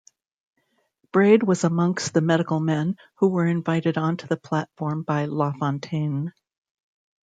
Braid was amongst the medical men who were invited onto the platform by Lafontaine.